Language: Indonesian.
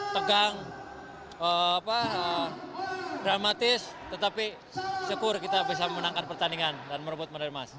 tegang dramatis tetapi syukur kita bisa memenangkan pertandingan dan merebut medali emas